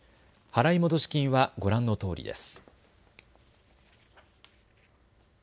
払戻金はご覧のとおりです。